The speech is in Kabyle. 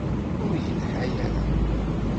Ur yelḥa ara.